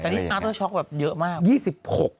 แต่นี่อาร์เตอร์ช็อกแบบเยอะมาก